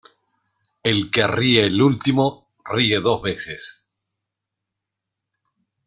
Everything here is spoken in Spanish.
El que ríe el último ríe dos veces.